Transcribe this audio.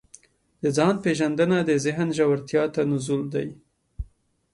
د ځان پېژندنه د ذهن ژورتیا ته نزول دی.